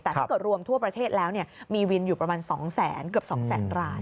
แต่ถ้าเกิดรวมทั่วประเทศแล้วมีวินอยู่ประมาณ๒๐๐๐๐๐กว่า๒๐๐๐๐๐ราย